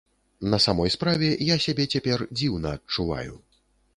На самой справе, я сябе цяпер дзіўна адчуваю.